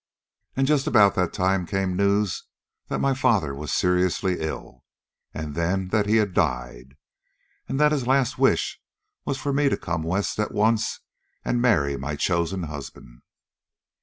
"And just about that time came news that my father was seriously ill, and then that he had died, and that his last wish was for me to come West at once and marry my chosen husband.